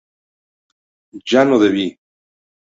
¿yo no bebí?